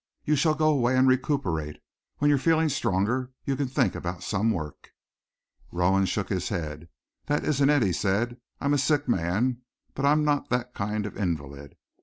"You shall go away and recuperate. When you're feeling stronger you can think about some work." Rowan shook his head. "That isn't it," he said. "I'm a sick man, but I'm not that kind of invalid.